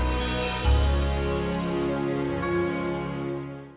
jalur begini seks operator donceng ah dia ngangun pake sen znaczy miorno